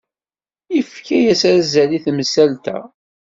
Yefka-as azal i temsalt-a.